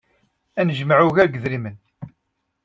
Ad nejmeɛ ugar n yedrimen.